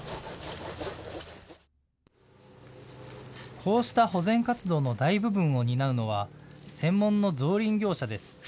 こうした保全活動の大部分を担うのは専門の造林業者です。